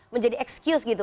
menjadi excuse gitu